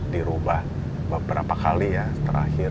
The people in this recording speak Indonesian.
dirubah beberapa kali ya terakhir dua ribu dua ribu tujuh